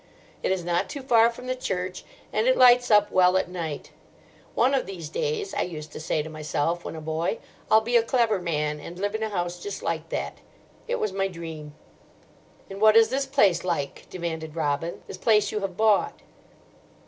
It is not too far from the church, and it lights up well at night. 'One of these days,' I used to say to myself when a boy, 'I'll be a clever man and live in a house just like that.' It was my dream." "And what is this place like?" demanded Robin, "this place you have bought."